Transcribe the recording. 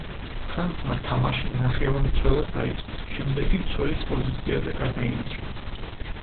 ფრანცმა თამაში ნახევარმცველად დაიწყო, შემდეგ კი მცველის პოზიციაზე გადაინაცვლა.